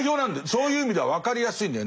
そういう意味では分かりやすいんだよね。